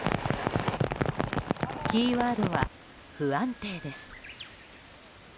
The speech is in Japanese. キーワードは不安定です。